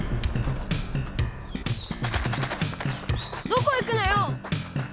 どこ行くのよ